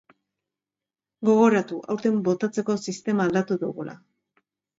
Gogoratu aurten botatzeko sistema aldatu dugula.